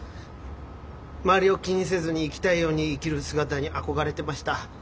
周りを気にせずに生きたいように生きる姿に憧れてました。